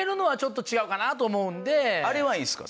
あれはいいんですか？